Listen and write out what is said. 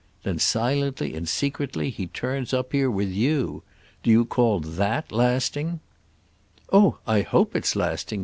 Then silently and secretly he turns up here with you. Do you call that 'lasting'?" "Oh I hope it's lasting!"